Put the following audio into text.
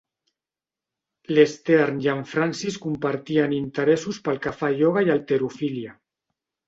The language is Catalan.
L'Stearn i en Francis compartien interessos pel que fa a ioga i halterofília.